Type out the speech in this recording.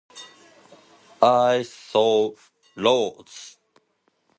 I saw clouds.